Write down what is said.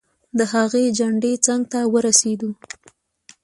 د هغې چنډې څنګ ته ورسیدو.